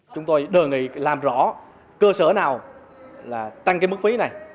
chúng tôi đề nghị làm rõ cơ sở nào là tăng mức phí